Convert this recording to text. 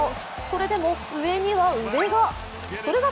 それでも上には上が。